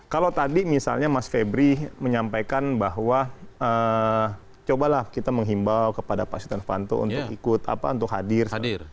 kalau tadi misalnya mas febri menyampaikan bahwa cobalah kita menghimbau kepada pak steno panto untuk hadir